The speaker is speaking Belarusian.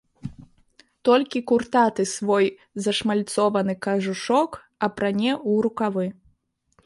Толькі куртаты свой зашмальцованы кажушок апране ў рукавы.